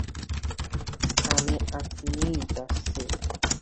আমি আপনিই যাচ্ছি।